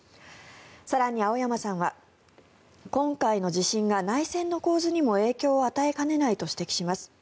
更に、青山さんは今回の地震が内戦の構図にも影響を与えかねないと指摘します。